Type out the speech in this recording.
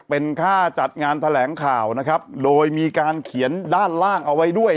เป็นค่าจัดงานแถลงข่าวนะครับโดยมีการเขียนด้านล่างเอาไว้ด้วย